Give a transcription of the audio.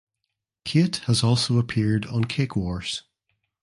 Cait has also appeared on "Cake Wars".